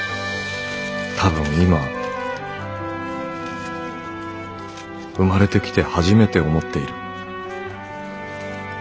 多分今生まれてきてはじめて思っている」。